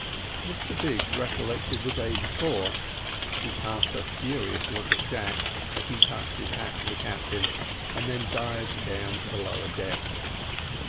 Mr Biggs recollected the day before he cast a furious look at Jack, as he touched his hat to the captain, and then dived down to the lower deck.